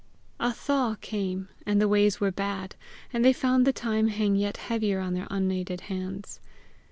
A thaw came, and the ways were bad, and they found the time hang yet heavier on their unaided hands.